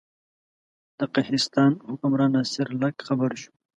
د قهستان حکمران ناصر لک خبر شو.